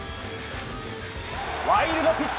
ワイルドピッチ！